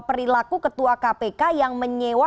perilaku ketua kpk yang menyewa